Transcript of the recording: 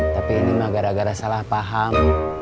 tapi ini mah gara gara salah paham